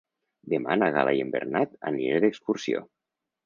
Demà na Gal·la i en Bernat aniré d'excursió.